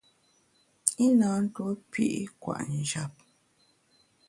I na ntuo pi’ kwet njap.